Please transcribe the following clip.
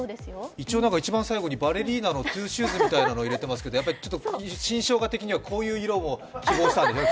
一応一番最後にバレリーナのトゥシューズみたいなのを入れてますが、やっぱりちょっと新生姜的にはこういう色も希望したんですね。